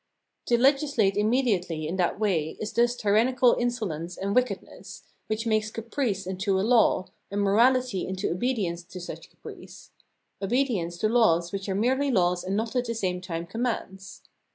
To legislate immediately in that way is thus tyrannical insolence and wickedness, which makes caprice into a law, and morality into obedience to such caprice — obedience to laws which are merely laws and not at the same time commands.